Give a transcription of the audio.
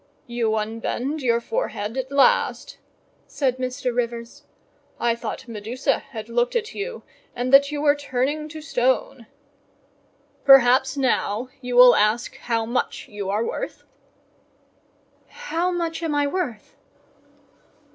"You unbend your forehead at last," said Mr. Rivers. "I thought Medusa had looked at you, and that you were turning to stone. Perhaps now you will ask how much you are worth?" "How much am I worth?"